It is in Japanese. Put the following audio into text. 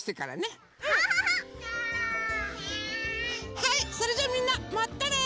はいそれじゃあみんなまたね！